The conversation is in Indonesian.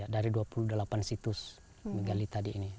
dari dua puluh delapan situs megali tadi ini